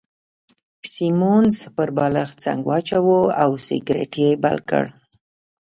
سیمونز پر بالښت څنګ واچاوه او سګرېټ يې بل کړ.